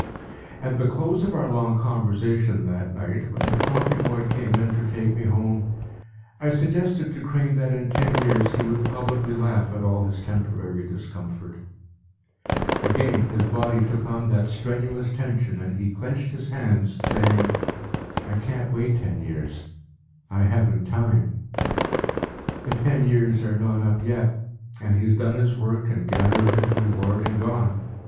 p> At the close of our long conversation that night, when the copy boy came in to take me home, I suggested to Crane that in ten years he would probably laugh at all his temporary discomfort. Again his body took on that strenuous tension and he clenched his hands, saying, “I can’t wait ten years, I haven’t time.” The ten years are not up yet, and he has done his work and gathered his reward and gone.